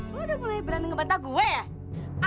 gue udah mulai berani ngebantah gue ya